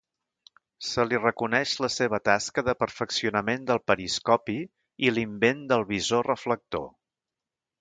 Se li reconeix la seva tasca de perfeccionament del periscopi i l'invent del visor reflector.